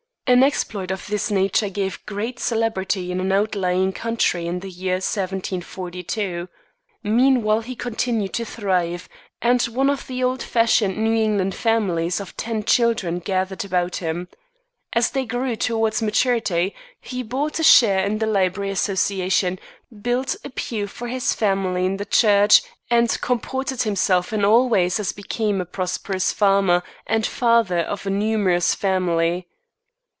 An exploit of this nature gave great celebrity in an outlying county in the year 1742. Meanwhile he continued to thrive, and one of the old fashioned New England families of ten children gathered about him. As they grew towards maturity, he bought a share in the Library Association, built a pew for his family in the church, and comported himself in all ways as became a prosperous farmer and father of a numerous family.